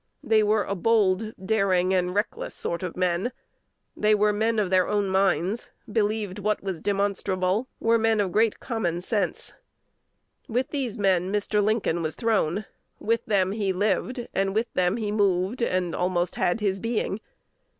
They were a bold, daring, and reckless sort of men; they were men of their own minds, believed what was demonstrable; were men of great common sense. With these men Mr. Lincoln was thrown; with them he lived, and with them he moved, and almost had his being.